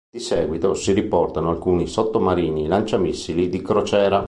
Di seguito si riportano alcuni sottomarini lanciamissili di crociera.